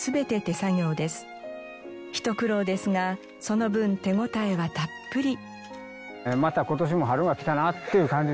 ひと苦労ですがその分手応えはたっぷり。